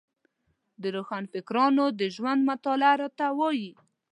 د روښانفکرانو د ژوند مطالعه راته وايي.